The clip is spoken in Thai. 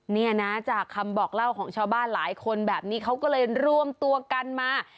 เนี่ยนะจากคำบอกเล่าของชาวบ้านหลายคนแบบนี้เขาก็เลยรวมตัวกันมา